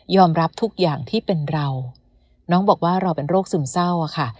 รับทุกอย่างที่เป็นเราน้องบอกว่าเราเป็นโรคซึมเศร้าอะค่ะ